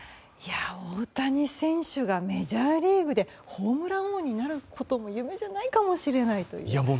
大谷選手がメジャーリーグでホームラン王になることも夢じゃないかもしれないという。